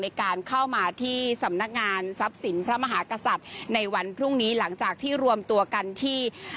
ในการเข้ามาที่สำนักงานทรัพย์สินพระมหากษัตริย์ในวันพรุ่งนี้หลังจากที่รวมตัวกันที่